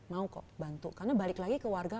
mau kok bantu karena balik lagi ke warga